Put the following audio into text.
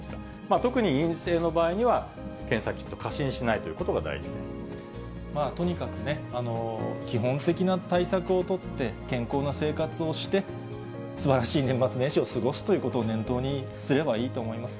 特に陰性の場合には、検査キット、とにかくね、基本的な対策を取って、健康な生活をして、すばらしい年末年始を過ごすということを念頭にすればいいと思います。